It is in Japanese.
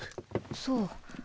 そう。